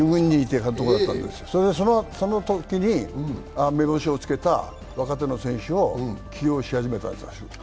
そのときに身分証をつけた若手の選手を起用し始めたんです。